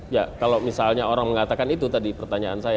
ya kalau misalnya orang mengatakan itu tadi pertanyaan saya